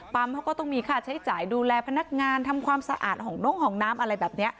เขาก็ต้องมีค่าใช้จ่ายดูแลพนักงานทำความสะอาดห้องนงห้องน้ำอะไรแบบนี้